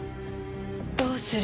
どうする？